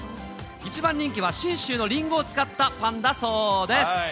一番人気は信州のリンゴを使ったパンだそうです。